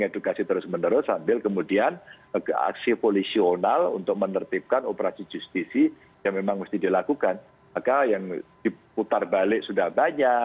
dilarang mudik titik gitu ya